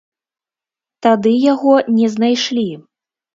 Тады яго не знайшлі.